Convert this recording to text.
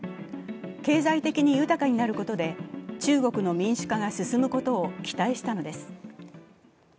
経済的に豊かになることで中国の民主化が進むことを期待したのです。